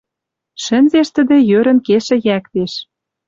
Шӹнзеш тӹдӹ йӧрӹн кешӹ йӓктеш